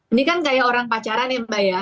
ini kan kayak orang pacaran ya mbak ya